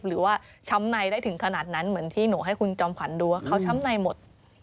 หรือว่าช้ำในได้ถึงขนาดนั้นเหมือนที่หนูให้คุณจอมขวัญดูว่าเขาช้ำในหมด